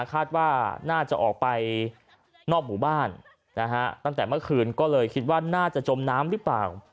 คาดว่าน่าจะออกไปนอกหมู่บ้านก็เลยคิดว่าน่าจะจมน้ำรึเปล่า